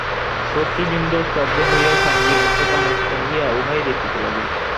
শ্রোতৃবৃন্দ স্তব্ধ হইয়া স্বামীজির মুখপানে চাহিয়া উহাই দেখিতে লাগিল।